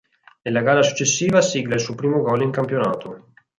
Nella gara successiva sigla il suo primo gol in campionato.